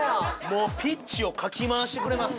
もうピッチをかき回してくれます。